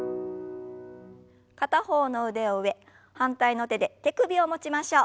片方の腕を上反対の手で手首を持ちましょう。